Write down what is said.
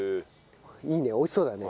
いいね美味しそうだね。